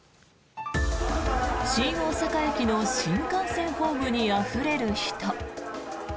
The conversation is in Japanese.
新大阪駅の新幹線ホームにあふれる人。